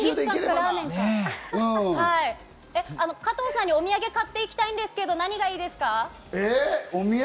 加藤さんにお土産を買って行きたいんですけど、何がいいですか？